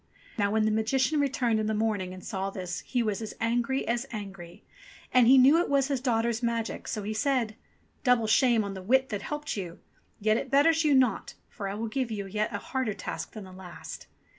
Now when the Magician returned in the morning and saw this he was as angry as angry. And he knew it was his daughter's magic, so he said : "Double shame on the wit that helped you ! Yet it betters you not, for I will give you a yet harder task than the last.